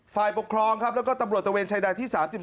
ฝ่ายปกครองครับแล้วก็ตำรวจตะเวนชายแดนที่๓๔